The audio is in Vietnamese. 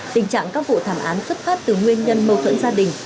tình trạng các vụ thảm án xuất phát từ nguyên nhân mâu thuẫn gia đình